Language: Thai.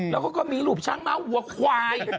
แล้วก็มีรูปช้างม้าวัวควาย